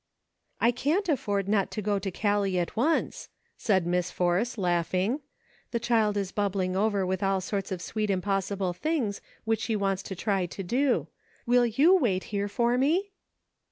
" I can't afford not to go to Callie at once," said Miss Force, laughing; "the child is bubbling over with all sorts of sweet impossible things which she wants to try to do. Will you wait here for me